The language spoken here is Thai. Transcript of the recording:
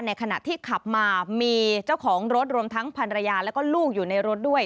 ขณะที่ขับมามีเจ้าของรถรวมทั้งภรรยาแล้วก็ลูกอยู่ในรถด้วย